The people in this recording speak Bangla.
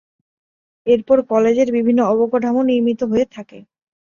এরপর কলেজের বিভিন্ন অবকাঠামো নির্মিত হতে থাকে।